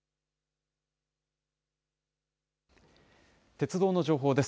鉄道の情報です。